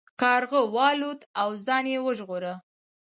کارغه والوت او ځان یې وژغوره.